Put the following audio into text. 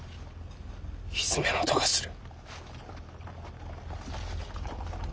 ひづめの音がする。